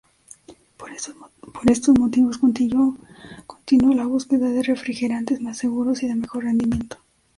Por estos motivos continuó la búsqueda de refrigerantes más seguros y de mejor rendimiento.